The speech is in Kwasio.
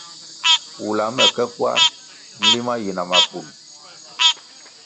Wula me ke kwar nlima yi na mapun.